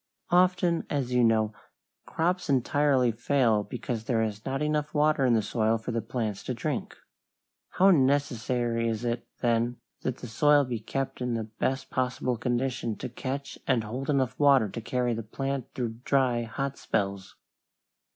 Often, as you know, crops entirely fail because there is not enough water in the soil for the plants to drink. How necessary is it, then, that the soil be kept in the best possible condition to catch and hold enough water to carry the plant through dry, hot spells!